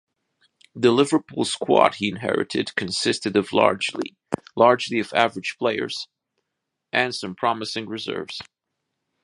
The Liverpool squad he inherited consisted largely of average players and some promising reserves.